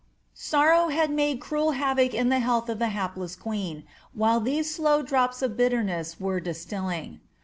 Sorrow had made cruel havoc in the health of the hapless queen, thile these slow drops of bitterness were distilling.